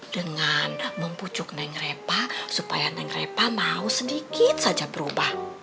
dengan mempucuk neng repah supaya neng repah mau sedikit saja berubah